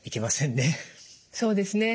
そうですね。